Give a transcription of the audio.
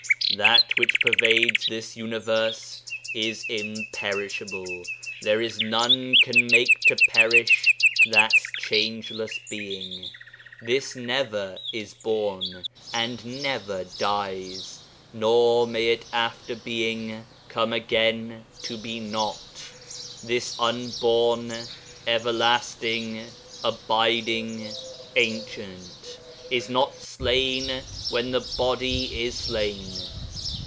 That which pervades this universe is imperishable; there is none can make to perish that changeless being. This never is born, and never dies, nor may it after being come again to be not; this unborn, everlasting, abiding, Ancient, is not slain when the body is slain.